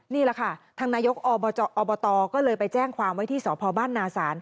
นี่แหละค่ะทางนายกอบตก็เลยไปแจ้งความไว้ที่สพบ้านนาศาล